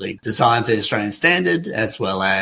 yang sebenarnya dibesarkan untuk standar australia